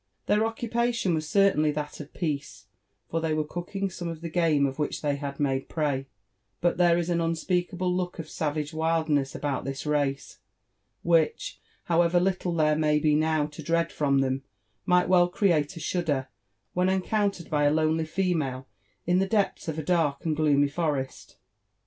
Their occupation was certainly that of peace, for they were cooking some of the game of which they had made prey ; but there is an un speakable look of savage wildness about this race, which, however Kttle there may be now to dread from them, might well create a shud der, when encountered by a lonely female in the depths of a dark and gloomy forest.